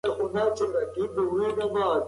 که نجونې پخلی زده کړي نو ډوډۍ به خامه نه وي.